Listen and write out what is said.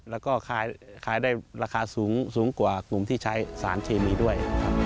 แล้วก็ขายได้ราคาสูงกว่ากลุ่มที่ใช้สารเคมีด้วยครับ